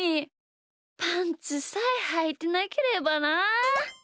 パンツさえはいてなければなあ。